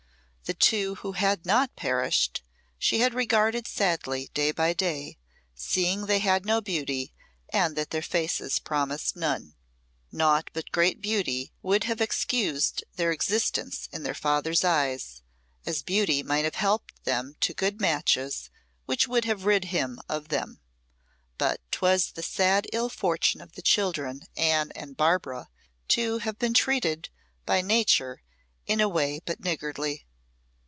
The two who had not perished, she had regarded sadly day by day, seeing they had no beauty and that their faces promised none. Naught but great beauty would have excused their existence in their father's eyes, as beauty might have helped them to good matches which would have rid him of them. But 'twas the sad ill fortune of the children Anne and Barbara to have been treated by Nature in a way but niggardly.